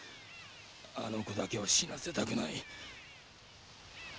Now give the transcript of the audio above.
あの子だけは死なせたくない。